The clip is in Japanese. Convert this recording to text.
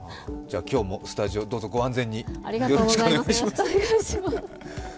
じゃあ今日もスタジオ、どうぞご安全に。